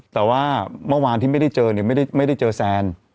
แต่ว่าเมื่อวานที่ไม่ได้เจอเนี่ยไม่ได้เจอแซน